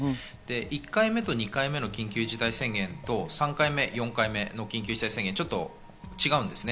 １回目と２回目の緊急事態宣言と３回目、４回目の緊急事態宣言、ちょっと違うんですね。